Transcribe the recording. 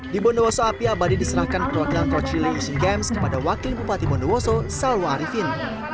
di bondowoso api abadi diserahkan perwakilan coach clea asian games kepada wakil bupati bondowoso salwa arifin